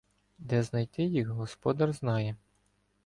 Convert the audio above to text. Де знайти їх, господар знає.